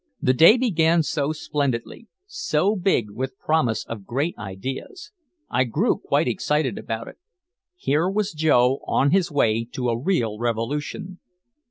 The day began so splendidly, so big with promise of great ideas. I grew quite excited about it. Here was Joe on his way to a real revolution.